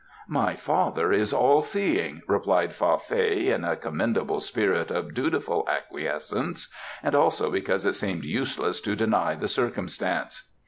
"My father is all seeing," replied Fa Fei in a commendable spirit of dutiful acquiescence, and also because it seemed useless to deny the circumstance.